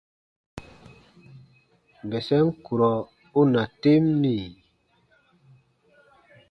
Bɛsɛm kurɔ u na tem mì ?: